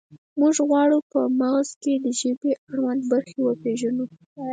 موږ غواړو په مغزو کې د ژبې اړوند برخې وپیژنو